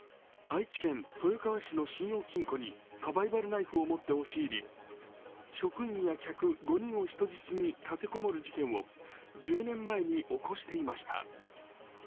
愛知県豊川市の信用金庫にサバイバルナイフを持って押し入り職員や客５人を人質に立てこもる事件を１０年前に起こしていました。